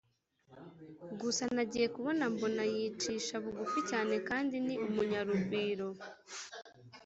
gusa nagiye kubona mbona yicisha bugufi cyane kandi ni umunyarugwiro